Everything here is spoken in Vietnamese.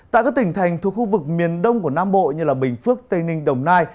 tại các tỉnh thành thuộc khu vực miền đông của nam bộ như bình phước tây ninh đồng nai